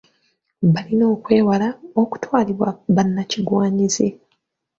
Balina okwewala okutwalibwa bannakigwanyizi.